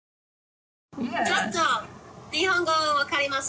ちょっと日本語わかります。